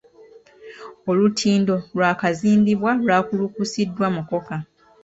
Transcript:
Olutindo lwakazimbibwa lwakulukisiddwa mukokka.